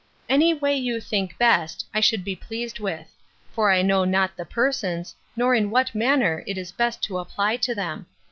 —— 'Any way you think best, I should be pleased with; for I know not the persons, nor in what manner it is best to apply to them.